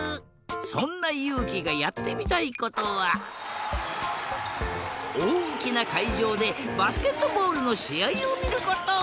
そんなゆうきがやってみたいことはおおきなかいじょうでバスケットボールのしあいをみること。